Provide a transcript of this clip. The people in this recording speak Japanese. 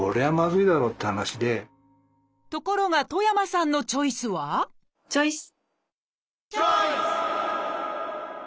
ところが戸山さんのチョイスはチョイス！